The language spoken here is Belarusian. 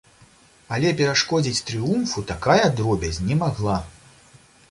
Але перашкодзіць трыумфу такая дробязь не магла.